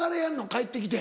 帰ってきて。